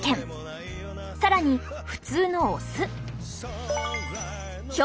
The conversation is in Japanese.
更に普通のお酢。